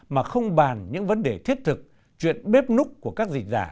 mà không bàn những vấn đề thiết thực chuyện bếp núc của các dịch giả